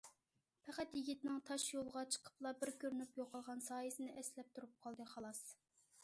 پەقەت يىگىتنىڭ تاش يولغا چىقىپلا بىر كۆرۈنۈپ يوقالغان سايىسىنى ئەسلەپ تۇرۇپ قالدى، خالاس.